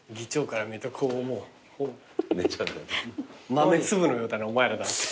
豆粒のようだなお前らなんて。